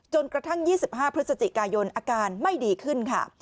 จนกระทั่ง๒๕พฤศจิกายนอาการไม่ดีขึ้นค่ะ